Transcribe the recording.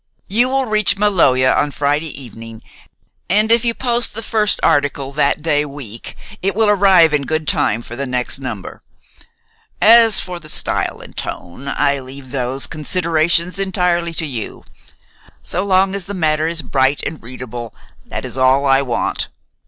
"You will reach Maloja on Friday evening, and if you post the first article that day week it will arrive in good time for the next number. As for the style and tone, I leave those considerations entirely to you. So long as the matter is bright and readable, that is all I want.